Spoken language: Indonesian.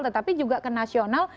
tetapi juga ke nasional